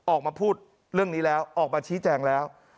ออกมาพูดเรื่องนี้แล้วออกมาชี้แจงแล้ว